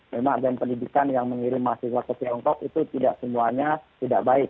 memang agen pendidikan yang mengirim mahasiswa ke tiongkok itu tidak semuanya tidak baik